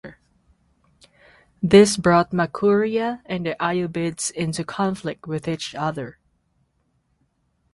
This brought Makuria and the Ayyubids into conflict with each other.